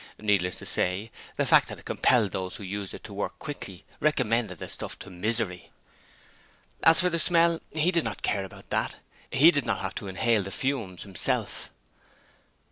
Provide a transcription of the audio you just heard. Needless to say, the fact that it compelled those who used it to work quickly recommended the stuff to Misery. As for the smell, he did not care about that; he did not have to inhale the fumes himself.